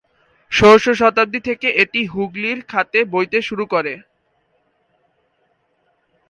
ষোড়শ শতাব্দী থেকে এটি হুগলির খাতে বইতে শুরু করে।